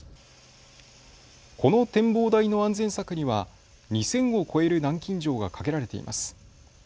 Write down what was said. この展望台の安全柵には２０００を超える南京錠がかけられています。